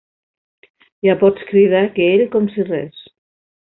Ja pots cridar, que ell com si res.